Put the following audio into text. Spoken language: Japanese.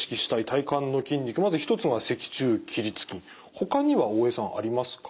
ほかには大江さんありますか？